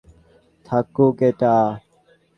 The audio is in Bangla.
রাগের অপকারিতার শিক্ষা হয়ে থাকুক এটা।